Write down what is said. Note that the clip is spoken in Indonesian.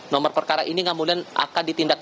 nomor perkara ini kemudian akan ditindak